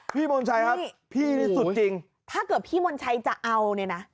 มนชัยครับพี่นี่สุดจริงถ้าเกิดพี่มนชัยจะเอาเนี่ยนะ